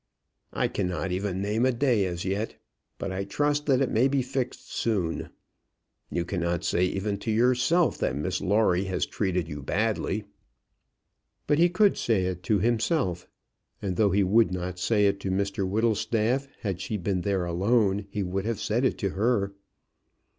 I cannot even name a day as yet; but I trust that it may be fixed soon. You cannot say even to yourself that Miss Lawrie has treated you badly." But he could say it to himself. And though he would not say it to Mr Whittlestaff, had she been there alone, he would have said it to her.